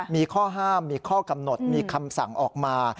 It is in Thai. มีข้อห้ามมีข้อกำหนดมีคำสั่งออกมา